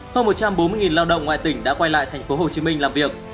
hơn một trăm bốn mươi lao động ngoài tỉnh đã quay lại tp hcm làm việc